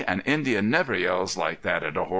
"An Indian never yells like that at a horse."